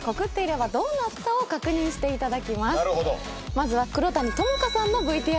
まずは黒谷友香さんのＶＴＲです。